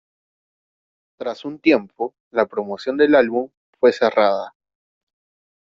Tras un tiempo, la promoción del álbum fue cerrada.